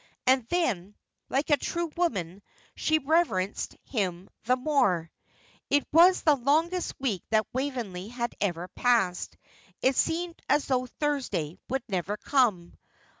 And then, like a true woman, she reverenced him the more. It was the longest week that Waveney had ever passed, and it seemed as though Thursday would never come.